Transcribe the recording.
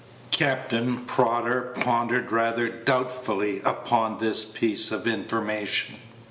Captain Prodder pondered rather doubtfully upon this piece of information.